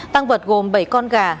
tăng vật gồm bảy con gà